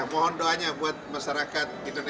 mohon doanya buat masyarakat